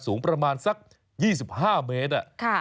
สูงประมาณสัก๒๕เมตร